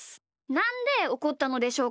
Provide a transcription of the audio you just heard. なんでおこったのでしょうか？